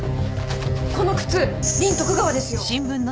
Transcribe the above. この靴リン・トクガワですよ。